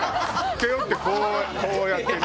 背負ってこうやってね。